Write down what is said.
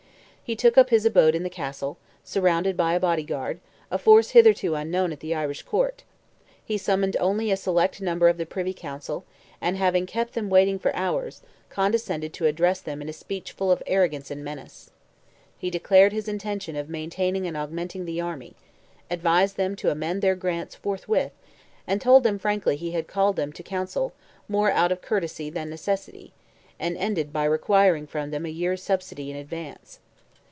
He took up his abode in the Castle, surrounded by a Body Guard, a force hitherto unknown at the Irish Court; he summoned only a select number of the Privy Council, and, having kept them waiting for hours, condescended to address them in a speech full of arrogance and menace. He declared his intention of maintaining and augmenting the army; advised them to amend their grants forthwith; told them frankly he had called them to Council, more out of courtesy than necessity, and ended by requiring from them a year's subsidy in advance.